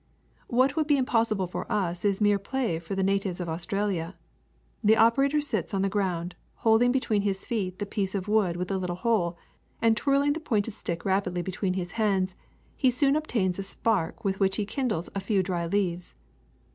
"A\Tiat would be impossible for us is mere play for the natives of Australia. The operator sits on the ground, holding between his feet the piece of wood with the little hole, and twirling the pointed stick rapidly between his hands he soon obtains a spark with which he kindles a few dry leaves.